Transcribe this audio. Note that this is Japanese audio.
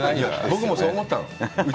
僕もそう思ったの。